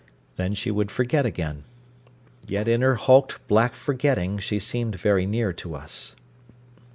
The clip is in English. Then she would forget again. Yet in her hulked black forgetting she seemed very near to us.